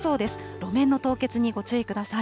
路面の凍結にご注意ください。